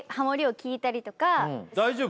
大丈夫？